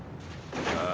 ああ。